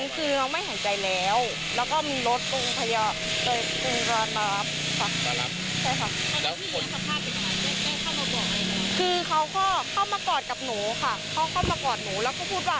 คือเขาก็เข้ามากอดกับหนูค่ะเขาเข้ามากอดหนูแล้วก็พูดว่า